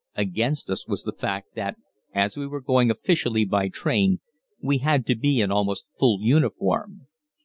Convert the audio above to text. Against us was the fact that, as we were going officially by train, we had to be in almost full uniform.